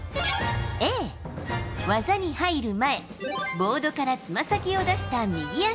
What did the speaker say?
Ａ、技に入る前、ボードからつま先を出した右足。